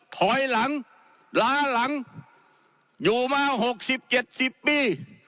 ถอยหลังล้าหลังอยู่มาหกสิบเจ็ดสิบปี